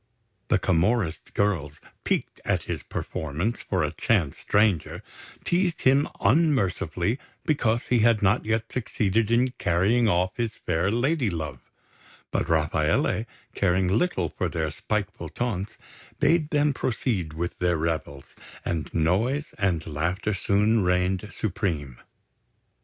The Camorrist girls, piqued at his preference for a chance stranger, teased him unmercifully because he had not yet succeeded in carrying off his fair lady love; but Rafaele, caring little for their spiteful taunts, bade them proceed with their revels, and noise and laughter soon reigned supreme.